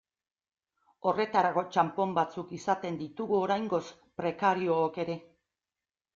Horretarako txanpon batzuk izaten ditugu oraingoz prekariook ere.